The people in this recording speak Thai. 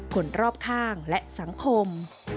คนรอบข้างและสังคม